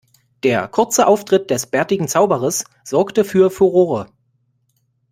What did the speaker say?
Der kurze Auftritt des bärtigen Zauberers sorgte für Furore.